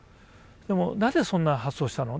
でも「なぜそんな発想したの？」